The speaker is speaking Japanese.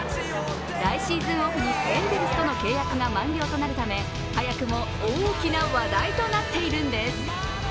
来シーズンオフにエンゼルスとの契約が満了となるため早くも大きな話題となっているんです。